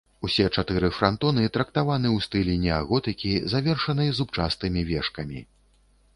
Усе чатыры франтоны трактаваны ў стылі неаготыкі, завершаны зубчастымі вежкамі.